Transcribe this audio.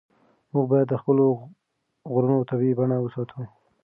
موږ باید د خپلو غرونو طبیعي بڼه وساتو.